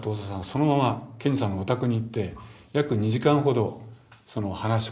そのまま賢治さんのお宅に行って約２時間ほど話し込んだと。